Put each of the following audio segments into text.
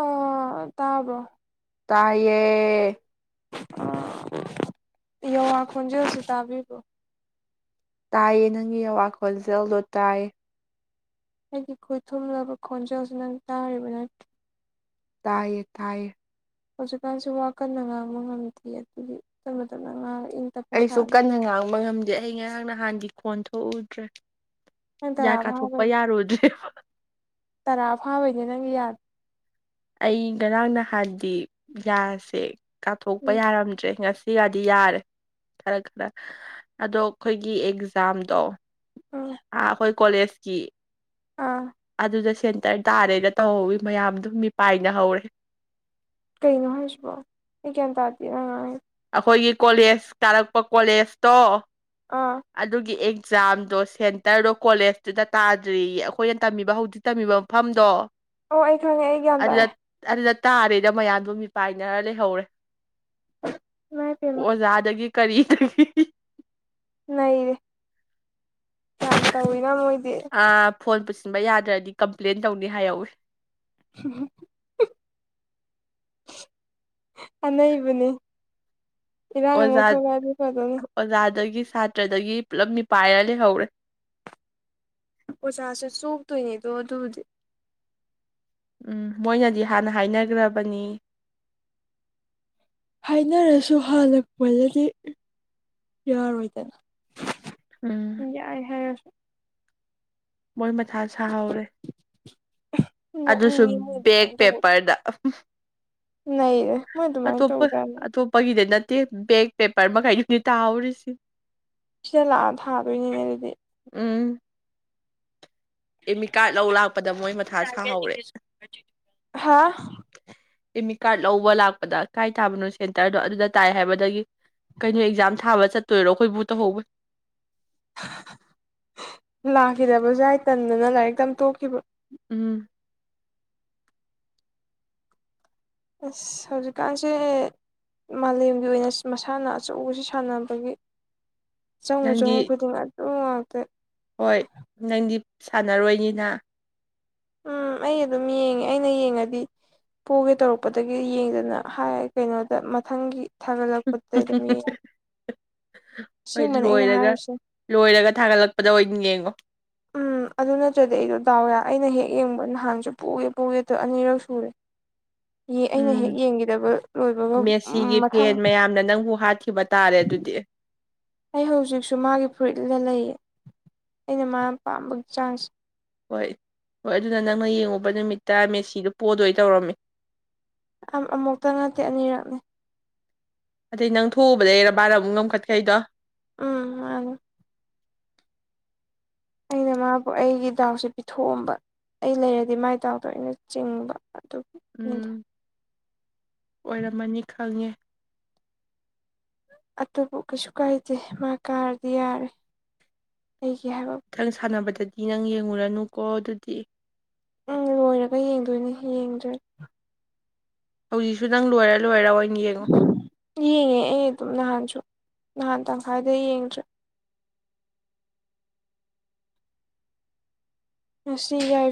ꯑꯥ ꯇꯥꯕ꯭ꯔꯣ ꯇꯥꯏꯌꯦ [unintelligible] ꯌꯋꯥ ꯈꯣꯟꯖꯦꯜꯁꯨ ꯇꯥꯕꯤꯕ꯭ꯔꯣ ꯇꯥꯏꯌꯦ ꯅꯪꯒꯤ ꯑꯋꯥ ꯈꯣꯟꯖꯦꯜꯗꯣ ꯇꯥꯏꯌꯦ ꯑꯩꯒꯤ ꯈꯨꯠꯊꯨꯝꯂꯕ ꯈꯣꯟꯖꯦꯜꯁꯤ ꯅꯪ ꯇꯥꯔꯤꯕ ꯅꯠꯇꯦ ꯇꯥꯏꯌꯦ ꯇꯥꯏꯌꯦ ꯍꯧꯖꯤꯛꯀꯥꯟꯁꯨ ꯋꯥ ꯀꯟꯅ ꯉꯥꯡꯕ ꯉꯝꯗꯦ ꯑꯗꯨꯒꯤ ꯇꯞꯅ ꯇꯞꯅ ꯉꯥꯡꯉ ꯇꯞꯄ ꯑꯩꯁꯨ ꯁꯥꯜꯂꯤ ꯀꯟꯅ ꯉꯥꯡꯕ ꯉꯝꯗꯦ ꯑꯩ ꯉꯥꯏꯍꯥꯛ ꯅꯍꯥꯟꯗꯤ ꯈꯣꯟ ꯊꯣꯛꯎꯗ꯭ꯔꯦ ꯅꯪ ꯌꯥ ꯇꯔꯥ ꯀꯥꯊꯣꯛꯄ ꯐꯥꯕꯩꯅꯤ ꯌꯥꯔꯨꯗ꯭ꯔꯦ ꯇꯔꯥ ꯐꯥꯕꯩꯅꯦ ꯅꯪꯒꯤ ꯌꯥꯗ ꯑꯩ ꯉꯔꯥꯡ ꯅꯍꯥꯟꯗꯤ ꯌꯥꯁꯦ ꯀꯥꯞꯊꯣꯛꯄ ꯎꯝ ꯌꯥꯔꯝꯗ꯭ꯔꯦ ꯉꯁꯤ ꯁꯤꯒꯗꯤ ꯌꯥꯔꯦ ꯈꯔ ꯈꯔ ꯑꯗꯣ ꯑꯩꯈꯣꯏꯒꯤ ꯑꯦꯛꯖꯥꯝꯗꯣ ꯎꯝ ꯑ ꯑꯩꯈꯣꯏ ꯀꯣꯂꯦꯖꯀꯤ ꯑꯥ ꯑꯗꯨꯗ ꯁꯦꯟꯇꯔ ꯇꯥꯔꯦꯅ ꯇꯧꯍꯧꯋꯤ ꯃꯌꯥꯝꯗꯣ ꯃꯤꯄꯥꯏꯅꯍꯧꯔꯦ ꯀꯩꯅꯣ ꯍꯥꯏꯁꯤꯕꯣ ꯑꯩ ꯒꯌꯥꯟ ꯇꯥꯗꯦ ꯅꯪꯅ ꯉꯥꯡꯏꯗꯦ ꯑꯩꯈꯣꯏꯒꯤ ꯀꯣꯂꯦꯖ ꯀꯥꯔꯛꯄ ꯀꯣꯂꯦꯖꯇꯣ ꯑꯥ ꯑꯗꯨꯒꯤ ꯑꯦꯛꯖꯥꯝꯗꯣ ꯁꯦꯟꯇꯔꯗꯣ ꯀꯣꯂꯦꯖꯇꯨꯗ ꯇꯥꯗ꯭ꯔꯤꯌꯦ ꯑꯩꯈꯣꯏꯅ ꯇꯝꯕꯤꯕ ꯍꯧꯖꯤ ꯇꯝꯃꯤꯕ ꯃꯐꯝꯗꯣ ꯑꯣ ꯑꯩ ꯈꯪꯉꯦ ꯑꯩ ꯒ꯭ꯌꯥꯟ ꯑꯗꯨꯗ ꯇꯥꯔꯦ ꯑꯗꯨꯗ ꯇꯥꯔꯦꯗ ꯃꯌꯥꯝꯗꯣ ꯃꯤꯄꯥꯏꯅꯔ ꯂꯩꯍꯧꯔꯦ ꯏꯃꯥꯏ ꯄꯦꯝꯃ ꯑꯣꯖꯥꯗꯒꯤ ꯀꯔꯤꯗꯒꯤ ꯅꯩꯔꯦ ꯌꯥꯝ ꯇꯧꯋꯤꯅ ꯃꯣꯏꯗꯤ ꯑꯥ ꯐꯣꯟ ꯄꯨꯁꯤꯟꯕ ꯌꯥꯗ꯭ꯔꯗꯤ ꯀꯝꯄ꯭ꯂꯦꯟ ꯇꯧꯅꯤ ꯍꯥꯏꯍꯧꯋꯤ [unintelligible] ꯑꯅꯩꯕꯅꯤ ꯏꯔꯥꯡ ꯑꯃ ꯑꯣꯖꯥ ꯊꯣꯛꯂꯑꯗꯤ ꯐꯥꯗꯧꯅꯤ ꯑꯣꯖꯥꯗꯒꯤ ꯁꯥꯇ꯭ꯔꯗꯒꯤ ꯄꯨꯂꯞ ꯃꯤꯄꯥꯏꯔ ꯂꯩꯍꯧꯔꯦ ꯑꯣꯖꯥꯁꯄ ꯆꯣꯛꯇꯣꯏꯅꯦꯗꯣ ꯑꯗꯨꯗꯤ ꯎꯝ ꯃꯣꯏꯅꯗꯤ ꯍꯥꯟꯅ ꯍꯥꯏꯅꯒ꯭ꯔꯕꯅꯤ ꯍꯥꯏꯅꯔꯁꯨ ꯍꯜꯂꯛꯄꯗꯗꯤ ꯌꯥꯔꯣꯏꯗꯅ ꯎꯝ ꯌꯥꯏ ꯍꯥꯏꯔꯁꯨ ꯃꯣꯏ ꯃꯊꯥ ꯁꯥꯍꯧꯔꯦ ꯑꯗꯨꯁꯨ ꯅꯣꯛꯅꯤꯡꯉꯤ ꯃꯣꯏ ꯕꯦꯛ ꯑꯗꯨꯃꯥꯏꯅ ꯇꯧꯕꯗꯣ ꯄꯦꯄꯔꯗ ꯅꯩꯔꯦ ꯃꯣꯏ ꯑꯗꯨꯃꯥꯏꯅ ꯇꯧꯕꯗꯣ ꯌꯥꯝꯅ ꯄꯒꯤꯗ ꯅꯠꯇꯦ ꯕꯦꯒ ꯄꯦꯄꯔ ꯃꯈꯩꯗꯨꯅꯦ ꯇꯥꯍꯧꯔꯤꯁꯤ ꯁꯤꯗ ꯂꯥꯛꯑꯒ ꯊꯥꯗꯣꯏꯅꯤꯅꯦ ꯑꯗꯨꯗꯤ ꯎꯝ ꯑꯦꯃꯤ ꯀꯥꯔꯗ ꯂꯧ ꯂꯥꯛꯄꯗ ꯃꯣꯏ ꯃꯊꯥ ꯁꯥꯍꯧꯔꯦ ꯍꯥ ꯑꯦꯃꯤ ꯀꯥꯔꯗ ꯂꯧꯕ ꯂꯥꯛꯄꯗ ꯀꯥꯏ ꯇꯥꯕꯅꯣ ꯁꯦꯟꯇꯔꯗꯣ ꯑꯗꯨꯗ ꯇꯥꯏ ꯍꯥꯏꯕꯗꯒꯤ ꯀꯩꯅꯣ ꯑꯦꯛꯖꯥꯝ ꯊꯥꯕ ꯆꯠꯇꯣꯏꯔꯣ ꯑꯩꯈꯣꯏꯕꯨ ꯇꯧꯍꯧꯕꯅꯦ ꯂꯥꯛꯈꯤꯗꯕꯁꯨ ꯌꯥꯏ ꯇꯟꯗꯅ ꯂꯥꯏꯔꯤꯛ ꯇꯝꯕ ꯇꯣꯛꯈꯤꯕ ꯎꯝ ꯑꯁ ꯍꯧꯖꯤꯛꯀꯥꯟꯁꯦ ꯃꯥꯂꯦꯝꯒꯤ ꯑꯣꯏꯅ ꯃꯁꯥꯟꯅ ꯑꯆꯧꯕꯁꯤ ꯁꯥꯟꯅꯕꯒꯤ ꯆꯪꯉꯨ ꯅꯪꯗꯤ ꯆꯪꯉꯨ ꯈꯨꯗꯤꯡꯃꯛ ꯑꯗꯨ ꯉꯛꯇꯥ ꯍꯣꯏ ꯅꯪꯗꯤ ꯁꯥꯟꯅꯔꯣꯏꯅꯤꯅ ꯎꯝ ꯑꯩ ꯑꯗꯨꯝ ꯌꯦꯡꯉꯦ ꯑꯩꯅ ꯌꯦꯡꯉꯗꯤ ꯄꯨꯒꯦ ꯇꯧꯔꯛꯄꯗꯒꯤ ꯌꯦꯡꯗꯅ ꯍꯥꯏ ꯀꯩꯅꯣꯗ ꯃꯊꯪꯒꯤ ꯊꯥꯒꯠꯂꯛꯄꯗ ꯑꯗꯨꯝ ꯌꯦꯡꯉ ꯍꯣꯏ ꯁꯤꯒꯨꯝꯕꯅꯦ ꯑꯩꯅ ꯂꯣꯏꯔꯒ ꯍꯥꯏꯔꯤꯁꯦ ꯂꯣꯏꯔꯒ ꯊꯥꯒꯠꯂꯛꯄꯗ ꯑꯣꯏꯅ ꯌꯦꯡꯉꯣ ꯎꯝ ꯑꯗꯨ ꯅꯠꯇ꯭ꯔꯗꯤ ꯑꯩꯗꯣꯗꯥꯎꯋꯦ ꯑꯩꯅ ꯍꯦꯛ ꯌꯦꯡꯕ ꯅꯍꯥꯟꯁꯨ ꯄꯨꯒꯦ ꯄꯨꯒꯦ ꯑꯅꯤꯔꯛ ꯁꯨꯔꯦ [inaudible] ꯑꯩꯅ ꯎꯝ ꯍꯦꯛ ꯌꯦꯡꯈꯤꯗꯕ ꯂꯣꯏꯕꯒ ꯃꯦꯁꯤꯒꯤ ꯃꯊꯪ ꯐꯦꯟ ꯃꯌꯥꯝꯅ ꯅꯪꯕꯨ ꯍꯥꯠꯈꯤꯕ ꯇꯥꯔꯦ ꯑꯗꯨꯗꯤ ꯑꯩ ꯍꯧꯖꯤꯛꯁꯨ ꯃꯥꯒꯤ ꯐꯨꯔꯤꯠ ꯂꯤꯠꯔ ꯂꯩꯌꯦ ꯑꯩꯅ ꯃꯥ ꯄꯥꯝꯕꯒꯤ ꯆꯥꯡꯁꯦ ꯍꯣꯏ ꯍꯣꯏ ꯑꯗꯨꯅ ꯅꯪꯅ ꯌꯦꯡꯉꯨꯕ ꯅꯨꯃꯤꯠꯇ ꯃꯦꯁꯤꯗꯣ ꯄꯣꯗꯣꯏ ꯇꯧꯔꯝꯃꯦ ꯑꯃꯨꯛꯇ ꯅꯠꯇꯦ ꯑꯅꯤꯔꯛꯅꯦ ꯑꯗꯩ ꯅꯪ ꯊꯣꯛꯎꯕꯗꯩꯔ ꯃꯅꯥ ꯑꯃꯨꯛ ꯉꯝꯈꯠꯈꯩꯗꯣ ꯎꯝ ꯃꯅꯦ ꯑꯩꯅ ꯃꯥꯕꯨ ꯑꯩꯒꯤ ꯗꯥꯎꯁꯦ ꯄꯤꯊꯣꯛꯑꯝꯕ ꯑꯩ ꯂꯩꯔꯗꯤ ꯃꯥꯏ ꯗꯥꯎꯗꯣ ꯑꯩꯅ ꯆꯤꯡꯕ ꯑꯗꯨ ꯎꯝ ꯑꯣꯏꯔꯝꯃꯅꯤ ꯈꯪꯉꯦ ꯑꯗꯨꯕꯨ ꯀꯩꯁꯨ ꯀꯥꯏꯗꯦ ꯃꯥ ꯀꯥꯔꯗꯤ ꯌꯥꯔꯦ ꯑꯩꯒꯤ ꯍꯥꯏꯕ ꯏꯊꯪ ꯁꯥꯟꯅꯕꯗꯗꯤ ꯅꯪ ꯌꯦꯡꯂꯡꯨꯔꯅꯨꯀꯣ ꯑꯗꯨꯗꯤ ꯎꯝ ꯂꯣꯏꯔꯒ ꯌꯦꯡꯗꯣꯏꯅꯤ ꯌꯦꯡꯗ꯭ꯔꯦ ꯍꯧꯖꯤꯛꯁꯨ ꯅꯪ ꯂꯣꯏꯔ ꯂꯣꯏꯔ ꯑꯣꯏꯅ ꯌꯦꯡꯉꯣ ꯌꯦꯡꯉꯦ ꯑꯩ ꯑꯗꯨꯝ ꯅꯍꯥꯟꯁꯨ ꯅꯍꯥꯟ ꯇꯪꯈꯥꯏꯗ ꯌꯦꯡꯗ꯭ꯔꯦ ꯉꯁꯤ ꯌꯥ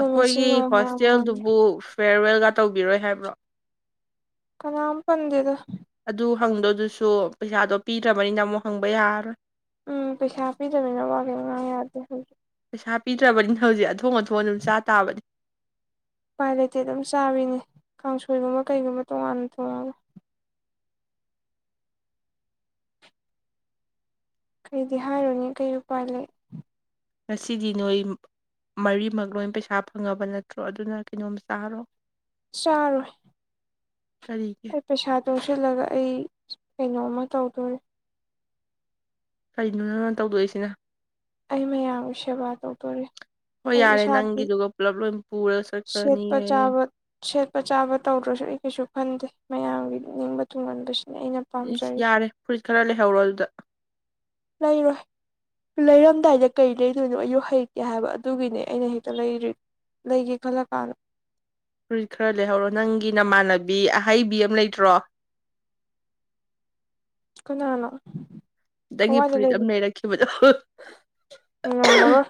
ꯑꯩꯈꯣꯏꯒꯤ ꯍꯣꯁꯇꯦꯜꯗꯨꯕꯨ ꯐꯤꯔꯋꯦꯜꯒ ꯇꯧꯕꯤꯔꯣꯏ ꯍꯥꯏꯕ꯭ꯔꯣ ꯀꯅꯥꯝ ꯄꯗꯦꯗ ꯑꯗꯨ ꯍꯪꯗꯣꯗꯨꯁꯨ ꯄꯩꯁꯥꯗꯣ ꯄꯤꯗ꯭ꯔꯕꯅꯤꯅ ꯑꯃꯨꯛ ꯍꯪꯕ ꯌꯥꯔꯔꯣꯏ ꯎꯝ ꯄꯩꯁꯥ ꯄꯤꯗꯅꯤꯅ ꯋꯥ ꯀꯩ ꯉꯥ ꯌꯥꯗꯦ ꯍꯧꯖꯤꯛ ꯄꯩꯁꯥ ꯄꯤꯗ꯭ꯔꯕꯅꯤꯅ ꯍꯧꯖꯤꯛ ꯑꯊꯣꯡ ꯑꯊꯣꯡ ꯑꯗꯨꯝ ꯆꯥ ꯇꯥꯕꯅꯤ ꯎꯄꯥꯏ ꯂꯩꯇꯦ ꯑꯗꯨꯝ ꯆꯥꯔꯤꯅꯦ ꯀꯥꯡꯁꯣꯏꯒꯨꯝꯕ ꯀꯩꯒꯨꯝꯕ ꯇꯣꯉꯥꯟꯅ ꯇꯣꯉꯥꯟꯅ ꯀꯩꯗꯤ ꯍꯥꯏꯔꯨꯅꯤ ꯀꯩ ꯎꯄꯥꯏ ꯂꯩ ꯉꯁꯤꯗꯤ ꯅꯣꯏ ꯃꯔꯤꯃꯛ ꯂꯣꯏ ꯄꯩꯁꯥ ꯐꯪꯉꯕ ꯅꯠꯇ꯭ꯔꯣ ꯑꯗꯨꯅ ꯀꯩꯅꯣꯝ ꯆꯥꯔꯣ ꯆꯥꯔꯣꯏ ꯀꯔꯤꯒꯤ ꯑꯩ ꯄꯩꯁꯥ ꯇꯨꯡꯁꯤꯜꯂꯒ ꯑꯩ ꯀꯩꯅꯣꯃ ꯇꯧꯗꯣꯔꯤ ꯀꯔꯤꯅꯣ ꯅꯪꯅ ꯇꯧꯗꯣꯛꯏꯁꯤꯅ ꯑꯩ ꯃꯌꯥꯝꯒꯤ ꯁꯦꯕꯥ ꯇꯧꯗꯣꯔꯤ ꯍꯣꯏ ꯌꯥꯔꯦ ꯅꯪꯒꯤꯗꯨꯒ ꯄꯨꯂꯞ ꯂꯣꯏ ꯄꯨꯔꯒ ꯁꯦꯠꯄ ꯆꯠꯈ꯭ꯔꯅꯤꯍꯦ ꯆꯥꯕ ꯁꯦꯠꯄ ꯆꯥꯕ ꯇꯧꯗ꯭ꯔꯁꯨ ꯑꯩ ꯀꯩꯁꯨ ꯈꯟꯗꯦ ꯃꯌꯥꯝꯒꯤ ꯅꯤꯡꯕ ꯊꯨꯡꯍꯟꯕꯁꯤꯅ ꯑꯩꯅ ꯏꯁ ꯄꯥꯝꯖꯔꯤꯁꯦ ꯌꯥꯔꯦ ꯐꯨꯔꯤꯠ ꯈꯔ ꯂꯩꯍꯧꯔꯣ ꯑꯗꯨꯗ ꯂꯩꯔꯣꯏ ꯂꯩꯔꯝꯗꯥꯏꯗ ꯀꯔꯤ ꯂꯩꯗꯣꯏꯅꯣ ꯑꯌꯨꯛ ꯍꯩꯛꯀꯦ ꯍꯥꯏꯕ ꯑꯗꯨꯒꯤꯅꯦ ꯑꯩꯅ ꯍꯦꯛꯇ ꯂꯩꯗ꯭ꯔꯤ ꯂꯩꯒꯦ ꯈꯜꯂ ꯀꯥꯟꯗ ꯐꯨꯔꯤꯠ ꯈꯔ ꯂꯩꯍꯧꯔꯣ ꯅꯪꯒꯤ ꯅꯃꯥꯟꯅꯕꯤ ꯑꯍꯩꯕꯤ ꯑꯃ ꯂꯩꯇ꯭ꯔꯣ ꯀꯅꯥꯅꯣ ꯈꯤꯇꯪꯒꯤ ꯀꯋꯥꯏꯗ ꯐꯨꯔꯤꯠ ꯑꯃ ꯂꯩꯔꯛꯈꯤꯕꯗꯣ ꯉꯝꯃꯔꯣꯢ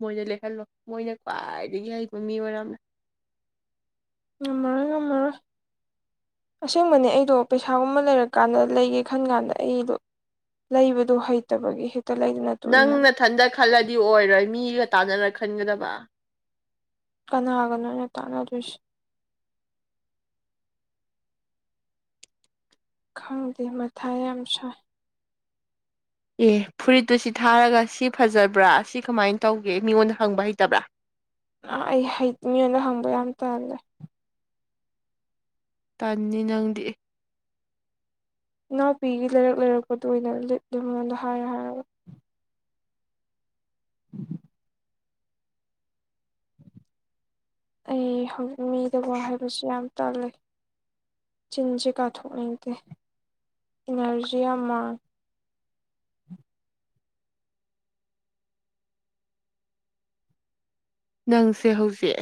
ꯃꯣꯏꯗ ꯂꯦꯛꯍꯜꯂꯣ ꯃꯣꯏꯅ ꯈ꯭ꯋꯥꯏꯗꯒꯤ ꯍꯩꯕ ꯃꯤ ꯑꯣꯏꯝꯅ ꯉꯝꯃꯔꯣꯏ ꯉꯝꯃꯔꯣꯏ ꯑꯁꯦꯡꯕꯅꯦ ꯑꯩꯗꯣ ꯄꯩꯁꯥꯒꯨꯝꯕ ꯂꯩꯔꯀꯥꯟꯗ ꯂꯩꯒꯦ ꯈꯟ ꯀꯥꯟꯗ ꯑꯩꯗꯣ ꯂꯩꯕꯗꯨꯣ ꯍꯩꯇꯕꯒꯤ ꯍꯦꯛꯇ ꯂꯩꯗꯅ ꯇꯣꯛꯏ ꯅꯪ ꯍꯥꯏꯕ ꯃꯊꯟꯗ ꯈꯜꯂꯗꯤ ꯑꯣꯏꯔꯣꯏ ꯃꯤꯒ ꯇꯥꯟꯅꯔ ꯈꯟꯒꯗꯕ ꯀꯅꯥꯒꯅꯣꯅꯦ ꯇꯥꯟꯅꯗꯣꯏꯁꯤ ꯈꯪꯗꯦ ꯃꯊꯥ ꯌꯥꯝ ꯁꯥꯏ ꯑꯦ ꯐꯨꯔꯤꯠꯇꯨ ꯁꯤ ꯊꯥꯔꯒ ꯁꯤ ꯐꯖꯕ꯭ꯔꯥ ꯁꯤ ꯀꯃꯥꯏꯅ ꯇꯧꯒꯦ ꯃꯤꯉꯣꯟꯗ ꯍꯪꯕ ꯍꯩꯇꯕ꯭ꯔꯥ ꯑꯩ ꯃꯤꯉꯣꯟꯗ ꯍꯪꯕ ꯌꯥꯝ ꯇꯜꯂꯦ ꯇꯟꯅꯤ ꯅꯪꯗꯤ ꯏꯅꯥꯎꯄꯤꯒꯤ ꯂꯩꯔꯛ ꯂꯩꯔꯛꯄꯗꯨ ꯑꯣꯏꯅ ꯂꯤꯠꯂꯤ ꯃꯉꯣꯟꯗ ꯍꯥꯏꯔꯦ ꯍꯥꯏꯔꯒ ꯏꯟꯑꯣꯗꯤꯕꯜ ꯑꯩ ꯍꯧꯖꯤꯛ ꯃꯤꯗ ꯋꯥ ꯍꯥꯏꯕꯁꯤ ꯌꯥꯝ ꯇꯟꯂꯦ ꯆꯤꯟꯁꯦ ꯀꯥꯊꯣꯛꯅꯤꯡꯗꯦ ꯏꯅꯔꯖꯤ ꯌꯥꯝ ꯃꯥꯡꯉꯤ ꯅꯪꯁꯦ ꯍꯧꯖꯤꯛ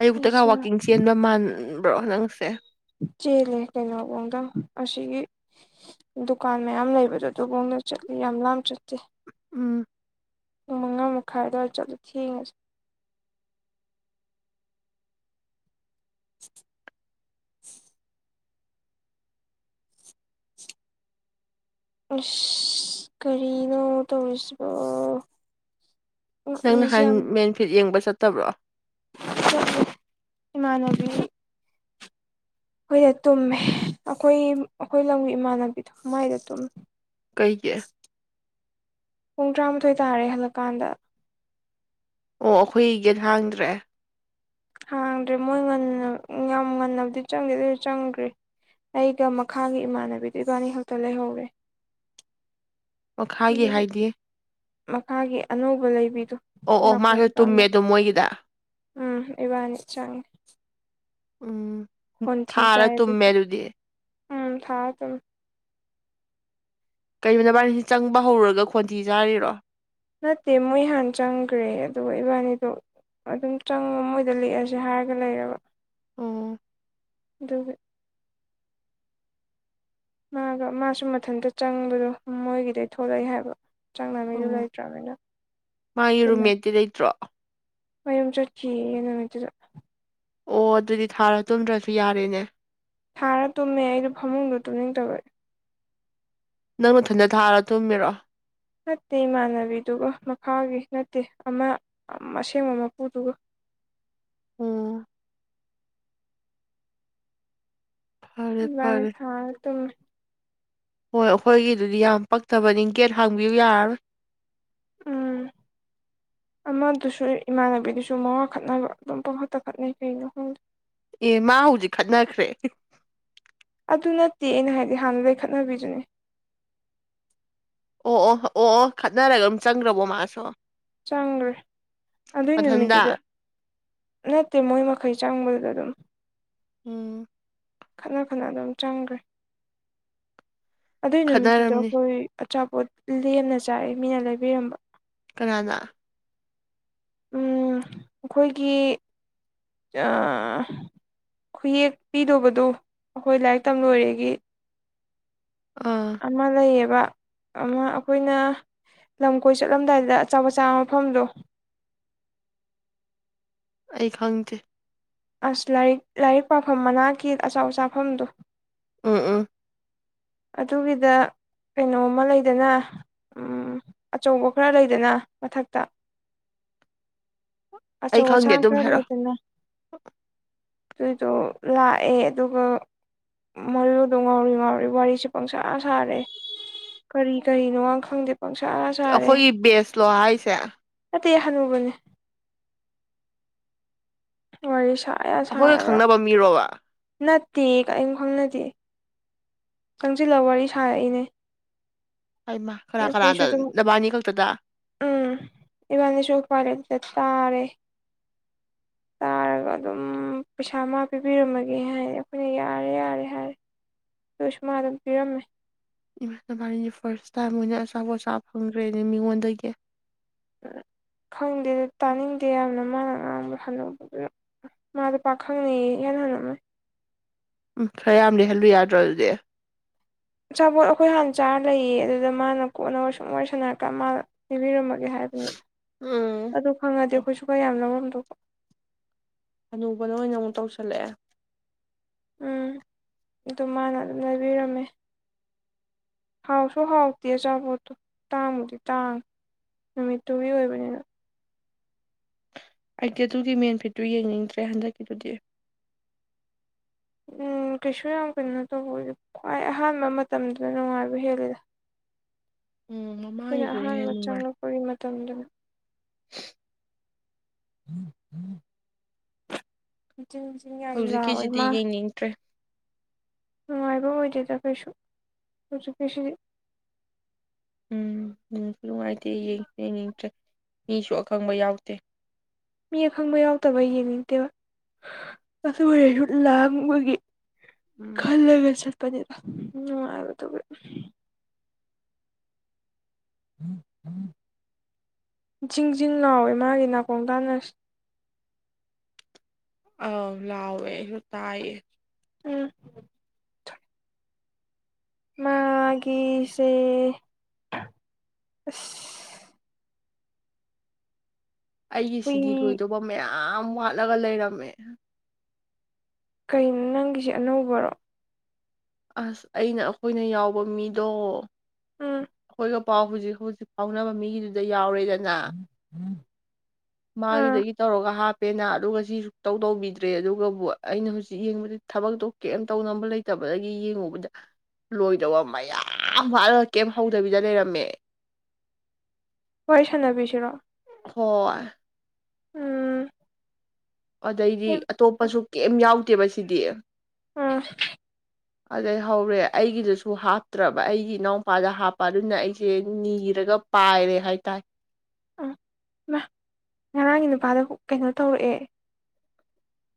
ꯑꯌꯨꯛꯇꯒ ꯑꯩꯁꯦ ꯋꯥꯛꯀꯤꯡ ꯆꯦꯟꯕ ꯃꯥꯟꯕ꯭ꯔꯣ ꯅꯪꯁꯦ ꯆꯦꯜꯂꯦ ꯀꯩꯅꯣꯕꯣꯡꯗꯪ ꯑꯁꯤꯒꯤ ꯗꯨꯀꯥꯟ ꯃꯌꯥꯝ ꯂꯩꯕꯗꯣ ꯑꯗꯨꯕꯣꯡꯗ ꯆꯠꯂꯤ ꯌꯥꯝ ꯂꯥꯞ ꯆꯠꯇꯦ ꯎꯝ ꯄꯨꯡ ꯃꯉꯥ ꯃꯈꯥꯏꯗꯋꯥꯔ ꯆꯠꯂꯣ ꯊꯦꯡꯉꯁꯤ ꯏꯟꯑꯣꯗꯤꯕꯜ ꯑꯁ ꯀꯔꯤꯅꯣ ꯇꯧꯔꯤꯁꯤꯕꯣ ꯅꯪ ꯎꯠꯂꯤꯁꯦ ꯅꯍꯥꯟ ꯌꯥꯝ ꯃꯦꯟꯐꯤꯠ ꯌꯦꯡꯕ ꯆꯠꯇꯕ꯭ꯔꯣ ꯆꯠꯂꯦ ꯏꯃꯅꯕꯤ ꯑꯩꯈꯣꯏꯗ ꯇꯨꯝꯃꯦ ꯑꯩꯈꯣꯏ ꯑꯩꯈꯣꯏ ꯂꯝꯒꯤ ꯏꯃꯥꯟꯅꯕꯤꯗꯣ ꯃꯥꯏꯗ ꯇꯨꯝꯃꯦ ꯀꯩꯒꯦ ꯄꯨꯡ ꯇꯔꯥꯃꯥꯊꯣꯏ ꯇꯥꯔꯦ ꯍꯜꯂꯛꯀꯥꯟꯗ ꯑꯣ ꯑꯩꯈꯣꯏ ꯒꯦꯠ ꯍꯥꯡꯗ꯭ꯔꯦ ꯍꯥꯡꯗ꯭ꯔꯦ ꯃꯣꯏ ꯉꯟꯅ ꯌꯥꯝ ꯉꯟꯅꯕꯗꯤ ꯆꯪꯗꯦ ꯑꯗꯨꯁꯨ ꯆꯪꯒ꯭ꯔꯤ ꯑꯩꯒ ꯃꯈꯥꯒꯤ ꯏꯃꯥꯟꯅꯕꯤꯗꯨ ꯏꯕꯥꯅꯤ ꯈꯛꯇ ꯂꯩꯍꯧꯔꯦ ꯃꯈꯥꯒꯤ ꯑꯗꯨꯒꯤ ꯍꯥꯏꯗꯤ ꯃꯈꯥꯒꯤ ꯑꯅꯧꯕ ꯂꯩꯕꯤꯗꯨ ꯑꯣ ꯑꯣ ꯅꯥꯀꯣꯡ ꯃꯥꯁꯨ ꯇꯨꯝꯃꯦ ꯇꯥꯅꯕ ꯑꯗꯨꯝ ꯃꯣꯏꯒꯤꯗ ꯎꯝ ꯏꯕꯥꯅꯤ ꯆꯪꯉꯤ ꯎꯝ ꯍꯣꯟꯊꯤ ꯊꯥꯔ ꯆꯥꯏ ꯇꯨꯝꯃꯦ ꯑꯗꯨꯁꯨ ꯑꯗꯨꯗꯤ ꯎꯝ ꯊꯥ ꯇꯨꯝꯃꯦ ꯀꯩꯒꯤꯅꯣ ꯅꯕꯥꯅꯤꯁꯤ ꯆꯪꯕ ꯍꯧꯔꯒ ꯈꯣꯟꯊꯤ ꯆꯥꯔꯤꯔꯣ ꯅꯠꯇꯦ ꯃꯣꯏ ꯍꯥꯟ ꯆꯪꯈ꯭ꯔꯦ ꯑꯗꯨꯒ ꯏꯕꯥꯅꯤꯗꯣ ꯑꯗꯨꯝ ꯆꯪꯕ ꯃꯣꯏꯗ ꯂꯦꯛꯑꯁꯦ ꯍꯥꯏꯔꯒ ꯂꯩꯔꯕ ꯎꯝ ꯑꯗꯨꯒꯤ ꯃꯥꯒ ꯃꯥꯁꯨ ꯃꯊꯟꯇ ꯆꯪꯕꯗꯣ ꯃꯣꯏꯒꯤꯗꯩ ꯊꯣꯛꯂꯛꯏ ꯍꯥꯏꯕ ꯆꯪꯅꯉꯩꯗꯨ ꯎꯝ ꯂꯩꯇ꯭ꯔꯅꯤꯅ ꯄꯨꯟꯅ ꯗꯤ ꯂꯩꯇ꯭ꯔꯣ ꯃꯌꯨꯝ ꯆꯠꯈꯤ ꯅꯨꯃꯤꯠꯇꯨꯗ ꯑꯣ ꯑꯗꯨꯗꯤ ꯊꯥꯔ ꯆꯨꯝꯗ꯭ꯔꯁꯨ ꯌꯥꯔꯦꯅꯦ ꯊꯥꯔ ꯇꯨꯝꯃꯦ ꯑꯩꯗꯣ ꯐꯃꯨꯡꯗꯣ ꯇꯨꯝꯅꯤꯡ ꯇꯕꯩ ꯅꯪ ꯅꯊꯟꯇ ꯊꯥꯔ ꯇꯨꯝꯃꯤꯔꯣ ꯅꯠꯇꯦ ꯏꯃꯥꯟꯅꯕꯤꯗꯨꯒ ꯃꯈꯥꯒꯤ ꯅꯠꯇꯦ ꯑꯃ ꯑꯁꯦꯡꯕ ꯃꯄꯨꯗꯨꯒ ꯎꯝ ꯐꯔꯦ ꯏꯕꯥꯅꯤ ꯐꯔꯦ ꯊꯥꯔ ꯇꯨꯝꯃꯦ ꯍꯣꯏ ꯑꯩꯈꯣꯏꯒꯤꯗꯨꯗꯤ ꯌꯥꯝ ꯄꯛꯇꯕꯅꯤ ꯒꯦꯠ ꯍꯥꯡꯕꯤꯌꯨ ꯌꯥꯔꯔꯣꯏ ꯎꯝ ꯑꯃꯗꯨꯁꯨ ꯏꯃꯥꯟꯅꯕꯤꯗꯨꯁꯨ ꯃꯋꯥ ꯈꯠꯅꯕ ꯑꯗꯨꯝ ꯄꯪꯈꯛꯇ ꯈꯠꯅꯩ ꯀꯩꯅꯣ ꯈꯪꯗꯦ ꯑꯦ ꯃꯥ ꯍꯧꯖꯤꯛ ꯈꯠꯅꯈ꯭ꯔꯦ ꯑꯗꯨ ꯅꯠꯇꯦ ꯑꯩꯅ ꯍꯥꯏꯗꯤ ꯍꯥꯟꯅ ꯂꯩꯈꯠꯅꯕꯤꯗꯨꯅꯦ ꯑꯣ ꯑꯣ ꯑꯣ ꯑꯣ ꯈꯠꯅꯔꯒ ꯑꯗꯨꯝ ꯆꯪꯈ꯭ꯔꯕꯣ ꯃꯥꯁꯨ ꯆꯪꯪꯈ꯭ꯔꯦ ꯑꯗꯨꯏ ꯃꯊꯟꯗ ꯅꯨꯃꯤꯠꯇꯨꯗ ꯅꯠꯇꯦ ꯃꯣꯏ ꯃꯈꯩ ꯆꯪꯕꯗ ꯑꯗꯨꯝ ꯎꯝ ꯈꯠꯅ ꯈꯠꯅ ꯑꯗꯨꯝ ꯆꯪꯈ꯭ꯔꯦ ꯑꯗꯨꯏ ꯅꯨꯃꯤꯠꯇꯨꯗ ꯈꯠꯅꯔꯝꯅꯤ ꯑꯩꯈꯣꯏ ꯑꯆꯥꯄꯣꯠ ꯂꯦꯝꯅ ꯆꯥꯏꯌꯦ ꯃꯤꯅ ꯂꯩꯕꯤꯔꯝꯕ ꯀꯅꯥꯅ ꯑꯝ--ꯑꯩꯈꯣꯏꯒꯤ ꯑ--ꯈꯨꯌꯦꯛ ꯄꯤꯗꯧꯕꯗꯨꯣ ꯑꯩꯈꯣꯏ ꯂꯥꯏꯔꯤꯛ ꯇꯝ ꯂꯣꯏꯔꯦꯒꯤ ꯑꯥ ꯑꯃ ꯂꯩꯌꯦꯕ ꯑꯃ ꯑꯩꯈꯣꯏꯅ ꯂꯝ ꯀꯣꯏ ꯆꯠꯂꯝꯗꯥꯏꯗ ꯑꯆꯥꯄ‌ꯣꯠ ꯆꯥꯕ ꯃꯐꯝꯗꯣ ꯑꯩ ꯈꯪꯗꯦ ꯑꯁ ꯂꯥꯏꯔꯤꯛ ꯂꯥꯏꯔꯤꯛ ꯄꯥꯐꯝ ꯃꯅꯥꯛꯀꯤ ꯑꯆꯥꯕ‌ꯣꯠ ꯆꯥꯐꯝꯗ‌ꯣ ꯎꯝ ꯎꯝ ꯑꯗꯨꯒꯤꯗ ꯀꯩꯅꯣꯝꯃ ꯂꯩꯗꯅ ꯎꯝ ꯑꯆꯧꯕ ꯈꯔ ꯂꯩꯗꯅ ꯃꯊꯛꯇ [inaudible] ꯑꯆꯧ ꯑꯁꯥꯡ ꯑꯗꯨꯝ ꯈꯔ ꯍꯥꯏꯔꯛꯑꯣ ꯂꯩꯗꯅ [inaudible] ꯑꯗꯨꯏꯗꯣ ꯂꯥꯛꯑꯦ ꯑꯗꯨꯒ ꯃꯌꯨꯗꯣ ꯉꯥꯎꯔꯤ ꯉꯥꯎꯔꯤ ꯋꯥꯔꯤ ꯁ‌ꯦ ꯄꯪꯁꯥ ꯁꯥꯔꯦ ꯀꯔꯤ ꯀꯔꯤꯅꯣꯉ ꯈꯪꯗꯦ ꯄꯪꯁꯥ ꯑꯈꯣꯏꯒꯤ ꯕꯦꯁꯂꯣ ꯍꯥꯏꯁꯦ ꯅꯠꯇ‌ꯦꯍ‌ꯦ ꯍꯅꯨꯕꯅꯦ ꯋꯥꯔꯤ ꯁꯥ ꯌꯥ ꯑꯩꯈꯣꯏꯒ ꯁꯥꯔꯒ ꯈꯪꯅꯕ ꯃꯤꯔꯣꯕ ꯅꯠꯇꯦ ꯀꯩꯝ ꯈꯪꯅꯗꯦ ꯆꯪꯁꯤꯜꯂ ꯋꯥꯔꯤ ꯁꯥꯔꯛꯏꯅꯦ ꯍꯩꯃꯥ ꯀꯅꯥ ꯑꯗꯩ ꯀꯅꯥꯗ ꯑꯩꯈꯣꯏꯁꯨ ꯑꯗꯨꯝ ꯅꯕꯥꯅꯤ ꯈꯛꯇꯗ ꯎꯝ ꯏꯕꯥꯅꯤꯁꯨ ꯎꯄꯥꯏ‌ ꯂꯩꯇ ꯇꯥꯔꯦ ꯇꯥꯔꯒ ꯑꯗꯨꯝ ꯄꯩꯁꯥ ꯃꯥ ꯄꯤꯕꯤꯔꯝꯃꯒꯦ ꯍꯥꯏꯌ‌ꯦ ꯑꯩꯈꯣꯏꯅ ꯌꯥꯔꯦ ꯌꯥꯔꯦ ꯍꯥꯏꯔꯦ ꯗꯨꯏꯁꯨ ꯃꯥ ꯑꯗꯨꯝ ꯄꯤꯔꯝꯃꯦ ꯏꯃꯥ ꯅꯕꯅꯤꯗꯤ ꯐꯥꫪꯁ ꯇꯥꯏꯝ ꯑꯣꯏꯅ ꯑꯆꯥꯄꯣꯠ ꯆꯥ ꯐꯪꯈ꯭ꯔꯦꯅꯦ ꯃꯤꯉꯣꯟꯗꯒꯤ ꯈꯪꯗꯦ ꯗ‌ꯣ ꯇꯥꯅꯤꯡꯗꯦ ꯌꯥꯝꯅ ꯃꯥꯅ ꯉꯥꯡꯕ ꯍꯅꯨꯕꯗꯨꯅ ꯃꯥꯗꯣ ꯄꯥꯈꯪꯅ‌ꯦꯌ‌ꯦ ꯏꯍꯟ ꯍꯅꯨꯃꯩ ꯎꯝ ꯈꯔ ꯌꯥꯝ ꯂꯩꯍꯜꯂꯨ ꯌꯥꯗ꯭ꯔꯣ ꯑꯗꯨꯗꯤ ꯑꯆꯥꯥꯕꯣꯠ ꯑꯩꯈꯣꯏ ꯍꯥꯟꯅ ꯆꯥꯔ ꯂꯩꯌꯦ ꯑꯗꯨꯗ ꯃꯥꯅ ꯀꯣꯟꯅ ꯁꯨꯡ ꯋꯥꯔꯤ ꯁꯥꯟꯅꯔꯛꯀꯥꯟ ꯃꯥꯅ ꯂꯩꯕꯤꯔꯝꯃ ꯒ‌ꯦ ꯍꯥꯏꯕꯅꯤ ꯎꯝ ꯑꯗꯨ ꯈꯪꯉꯗꯤ ꯑꯩꯈꯣꯏꯁꯨ ꯈꯔ ꯌꯥꯝ ꯂꯧꯔꯝꯗ‌ꯣꯕ ꯍꯅꯨꯕꯅ ꯑꯣꯏꯅ ꯑꯃꯨꯛ ꯇꯧꯁꯜꯂꯛꯑꯦ ꯎꯝ ꯑꯗꯨ ꯃꯥꯅ ꯑꯗꯨꯝ ꯂꯩꯕꯤꯔꯝꯃꯦ ꯍꯥꯎꯁꯨ ꯍꯥꯎꯇꯦ ꯑꯆꯥꯄꯣꯠꯇꯣ ꯇꯥꯡꯕꯨꯗꯤ ꯇꯥꯡꯉꯤ ꯅꯨꯃꯤꯠꯇꯨꯒꯤ ꯑꯣꯏꯕꯅꯤꯅ ꯑꯩꯗꯤ ꯑꯗꯨꯒꯤ ꯃꯦꯟ ꯐꯤꯠꯇꯨ ꯌꯦꯡꯅꯤꯡꯗ꯭ꯔꯦ ꯍꯟꯗꯛꯀꯤꯗꯨꯗꯤ ꯎꯝ ꯀꯩꯁꯨ ꯌꯥꯝ ꯀꯩꯅꯣ ꯇꯧꯕ ꯑꯣꯏꯗ‌ꯦ ꯈ꯭ꯋꯥꯏ ꯑꯍꯥꯟꯕ ꯃꯇꯝꯗꯨꯗ ꯅꯨꯡꯉꯥꯏꯕ ꯍꯦꯜꯂꯤꯗ ꯎꯝ ꯑꯩꯈꯣꯏꯅ ꯃꯃꯥꯡꯒꯤꯗꯨꯅ ꯍꯦꯟꯅ ꯑꯍꯥꯟꯕ ꯅꯨꯡꯉꯥꯏ ꯆꯪꯂꯛꯄꯒꯤ ꯃꯇꯝꯗꯨ [inaudible] [unintelligible] ꯍꯧꯖꯤꯛꯀꯤꯁꯤꯗꯤ ꯃꯥ ꯌꯦꯡꯅꯤꯡꯗ꯭ꯔꯦ ꯅꯨꯡꯉꯥꯏꯕ ꯑꯣꯏꯗꯦꯗ ꯀꯩꯁꯨ ꯍꯧꯖꯤꯛꯀꯤꯁꯤꯗꯤ ꯎꯝ ꯅꯨꯡꯁꯨ ꯅꯨꯡꯉꯥꯏꯇꯦ ꯌꯦꯡꯁꯨ ꯌ‌ꯦꯡꯅꯤꯡꯗ꯭ꯔꯦ ꯃꯤꯁꯨ ꯑꯈꯪꯕ ꯌꯥꯎꯇ‌ꯦ ꯃꯤ ꯑꯈꯪꯕ ꯌꯥꯎꯇꯕ ꯌꯦꯡꯅꯤꯡꯇ‌ꯦꯕ ꯑꯗꯨ ꯑꯣꯏꯔꯁꯨ ꯂꯥꯡꯕꯒꯤ ꯎꯝ ꯈꯜꯂꯒ ꯆꯠꯄꯅꯤꯗ ꯅꯨꯡꯉꯥꯏꯕꯗꯨꯒꯤ [unintelligible] ꯖꯤꯡ ꯖꯤꯡ ꯂꯥꯎꯋꯦ ꯃꯥꯒꯤ ꯅꯥꯀꯣꯡ ꯇꯥꯟꯅꯕꯁ‌ꯦ ꯑꯥꯎ ꯂꯥꯎꯋꯦ ꯑꯩꯁꯨ ꯇꯥꯏꯌꯦ ꯎꯝ ꯃꯥꯒꯤꯁꯦ ꯑꯁ ꯑꯩꯒꯤ ꯍꯨꯏ ꯁꯤꯗꯤ ꯂꯣꯏꯗꯧꯕ ꯃꯌꯥꯝ ꯋꯥꯠꯂꯒ ꯂꯩꯔꯝꯃꯦ ꯀꯩꯅꯣ ꯅꯪꯒꯤꯁꯦ ꯑꯅꯧꯕꯔꯣ ꯑꯁ ꯑꯩꯅ ꯑꯩꯈꯣꯏꯅ ꯌꯥꯎꯕ ꯃꯤꯗꯣ ꯎꯝ ꯑꯗꯨꯒ ꯄꯥꯎ ꯍꯧꯖꯤꯛ ꯍꯧꯖꯤꯛ ꯐꯥꯎꯅꯕ ꯃꯤꯒꯤꯗꯨꯗ ꯌꯥꯎꯔꯦꯗꯅ [inaudible] ꯑꯥ ꯃꯥꯒꯤꯗꯒꯤ ꯇꯧꯔꯒ ꯍꯥꯞꯄꯦꯅ ꯑꯗꯨꯒ ꯁꯤ ꯁꯨꯛꯇꯧ ꯇꯧꯕꯤꯗ꯭ꯔꯦ ꯑꯗꯨꯒꯕꯨ ꯑꯩꯅ ꯍꯧꯖꯤꯛ ꯌꯦꯡꯕꯗꯤ ꯊꯕꯛꯇꯣ ꯀꯦꯝ ꯇꯧꯉꯝꯕ ꯂꯩꯇꯕ ꯑꯩ ꯌꯦꯡꯉꯨꯕꯗ ꯂꯣꯏꯗꯕ ꯃꯌꯥꯝ ꯋꯥꯠꯂꯒ ꯀꯩꯝ ꯍꯧꯗꯕꯤꯗ ꯂꯩꯔꯝꯃꯦ ꯋꯥꯔꯤ ꯁꯥꯟꯅꯕꯤꯁꯤꯔꯣ ꯍꫭꯏ ꯎꯝ ꯑꯗꯩꯗꯤ ꯎꯝ ꯑꯇꯣꯞꯄꯁꯨ ꯀ‌ꯦꯝ ꯌꯥꯎꯇ‌ꯦꯕ ꯁꯤꯗꯤ ꯎꯝ ꯑꯗꯩ ꯍꯧꯔꯦ ꯑꯩꯒꯤꯗꯁꯨ ꯍꯥꯞꯇ꯭ꯔꯕ ꯑꯩꯒꯤ ꯏꯅꯥꯎꯄꯥꯗ ꯍꯥꯞꯄ ꯑꯗꯨꯅ ꯑꯩꯁꯦ ꯅꯤꯔꯒ ꯄꯥꯏꯔꯦ ꯍꯥꯏ ꯇꯥꯏ ꯑꯥ ꯍꯃꯥ ꯉꯔꯥꯡꯒꯤ ꯅꯨꯄꯥꯗꯣ ꯍꯨꯛ ꯀꯩꯅꯣ ꯇꯧꯔꯛꯑꯦ